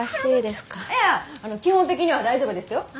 いや基本的には大丈夫ですよ。